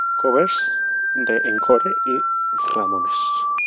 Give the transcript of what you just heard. Covers de Encore y Ramones